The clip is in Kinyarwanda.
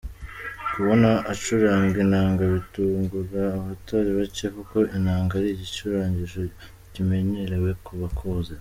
Kumubona acuranga inanga bitungura abatari bake kuko inanga ari igicurangisho kimenyerewe ku bakuze.